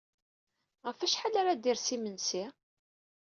Ɣef wacḥal ara d-yers yimensi?